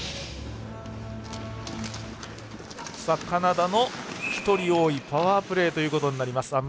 カナダの１人多いパワープレーとなります。